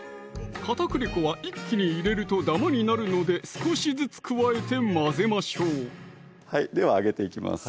片栗粉は一気に入れるとダマになるので少しずつ加えて混ぜましょうでは揚げていきます